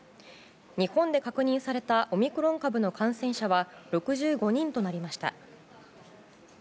日本で確認されたオミクロン株の感染者は６５人となりました。